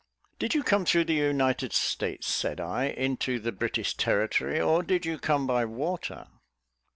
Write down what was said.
"Did you come through the United States," said I, "into the British territory, or did you come by water?"